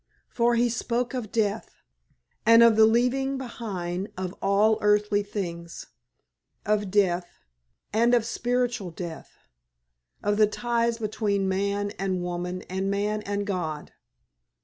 For he spoke of death, and of the leaving behind of all earthly things of death, and of spiritual death of the ties between man and woman and man and God.